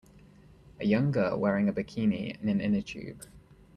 A young girl wearing a bikini in an innertube.